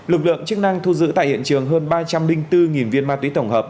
lực lượng chức năng thu giữ tại hiện trường hơn ba trăm linh bốn viên ma túy tổng hợp